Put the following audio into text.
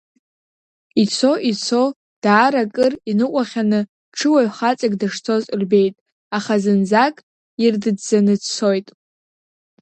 Ицо, ицо, даара акыр иныҟәахьаны, ҽуаҩ хаҵак дышцоз рбеит, аха зынӡак ирдыдӡаны дцоит.